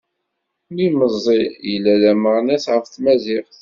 Mi meẓẓi yella d ameɣnas ɣef tmaziɣt.